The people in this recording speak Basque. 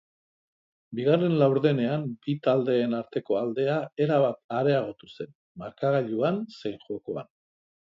Bigarren laurdenean bi taldeen arteko aldea erabat areagotu zen, markagailuan zein jokoan.